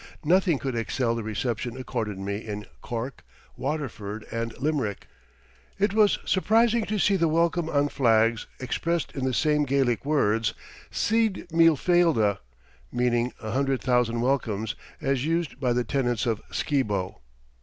Nothing could excel the reception accorded me in Cork, Waterford, and Limerick. It was surprising to see the welcome on flags expressed in the same Gaelic words, Cead mille failthe (meaning "a hundred thousand welcomes") as used by the tenants of Skibo.